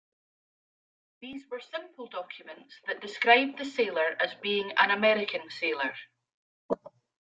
These were simple documents that described the sailor as being an American sailor.